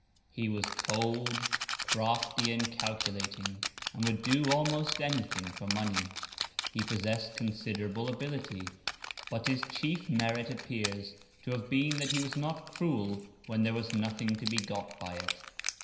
He was very cold, crafty, and calculating, and would do almost anything for money. He possessed considerable ability, but his chief merit appears to have been that he was not cruel when there was nothing to be got by it.